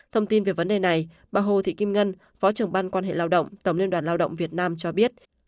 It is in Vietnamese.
thông tin về vấn đề này bà hồ thị kim ngân phó trưởng ban quan hệ lao động tổng liên đoàn lao động việt nam cho biết